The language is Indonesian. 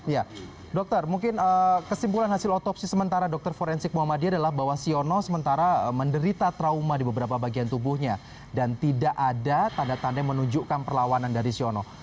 ya dokter mungkin kesimpulan hasil otopsi sementara dokter forensik muhammadiyah adalah bahwa siono sementara menderita trauma di beberapa bagian tubuhnya dan tidak ada tanda tanda yang menunjukkan perlawanan dari siono